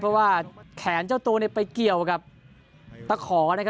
เพราะว่าแขนเจ้าตัวนี้ไปเกี่ยวกับตระของ